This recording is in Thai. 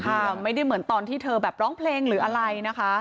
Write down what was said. ไม่ได้เหมือนตอนที่เธอแบบร้องเพลงหรืออะไรนะคะ